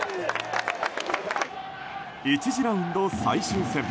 １次ラウンド最終戦。